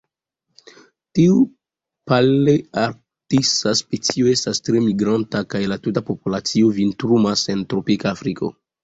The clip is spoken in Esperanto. Tiu palearktisa specio estas tre migranta kaj la tuta populacio vintrumas en tropika Afriko.